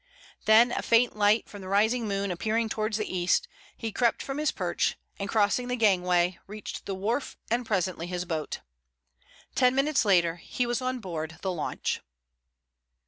Then, a faint light from the rising moon appearing towards the east, he crept from his perch, and crossing the gangway, reached the wharf and presently his boat. Ten minutes later he was on board the launch.